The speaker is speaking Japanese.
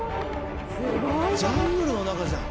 ジャングルの中じゃん。